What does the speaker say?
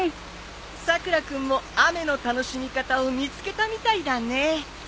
さくら君も雨の楽しみ方を見つけたみたいだね。